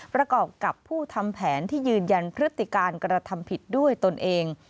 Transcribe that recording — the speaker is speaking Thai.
ประกอบกับผู้ทำแผนที่ยืนยันพฤติการกระทำผิดด้วยตนเอง